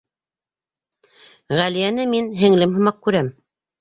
Ғәлиәне мин һеңлем һымаҡ күрәм.